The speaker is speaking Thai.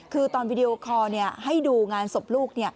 คือตอนวิดีโอคอร์ให้ดูงานศพลูก